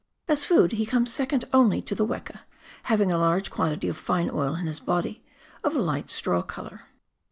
As food he comes second only to the weka, having a large quantity of fine oil in his body, of a light straw colour.